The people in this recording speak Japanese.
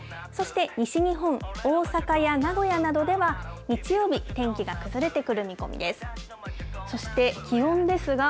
そして西日本、大阪や名古屋などでは、日曜日、天気が崩れてくる見込みです。